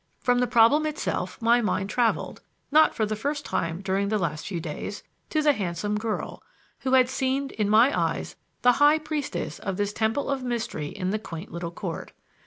From the problem itself my mind traveled, not for the first time during the last few days, to the handsome girl, who had seemed in my eyes the high priestess of this temple of mystery in the quaint little court.